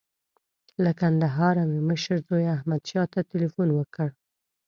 له کندهاره مې مشر زوی احمدشاه ته تیلفون وکړ.